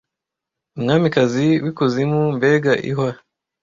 umwamikazi w'ikuzimu mbega ihwa